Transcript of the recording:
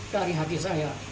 dari hati saya